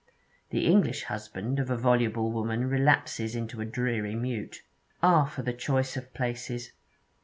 The English husband of a voluble woman relapses into a dreary mute. Ah, for the choice of places!